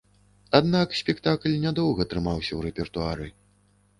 Аднак спектакль нядоўга трымаўся ў рэпертуары.